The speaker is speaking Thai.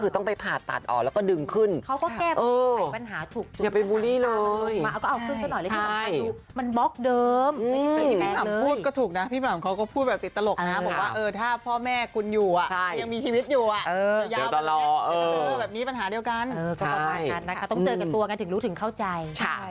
ถ้าพ่อแม่คุณอยู่อ่ะยังมีชีวิตอยู่อ่ะเดี๋ยวยาวแบบนี้ปัญหาเดียวกันต้องเจอกับตัวถึงรู้ถึงเข้าใจ